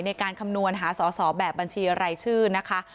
ในการคำนวณหาสอแบบบัญชีอะไรชื่อนะคะ